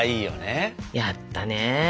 やったね。